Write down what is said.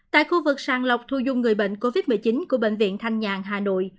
tại khu vực sàng lọc thu dung người bệnh covid một mươi chín của bệnh viện thanh nhàn hà nội